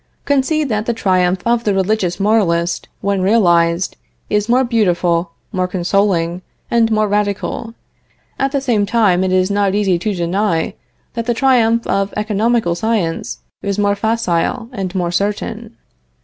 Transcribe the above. Concede that the triumph of the religious moralist, when realized, is more beautiful, more consoling and more radical; at the same time it is not easy to deny that the triumph of economical science is more facile and more certain.